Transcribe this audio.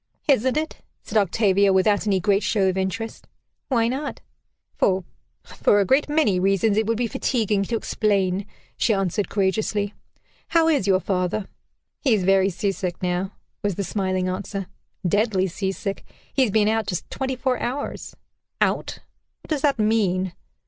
"Isn't it?" said Octavia, without any great show of interest. "Why not?" "For for a great many reasons it would be fatiguing to explain," she answered courageously. "How is your father?" "He is very sea sick now," was the smiling answer, "deadly sea sick. He has been out just twenty four hours." "Out? What does that mean?"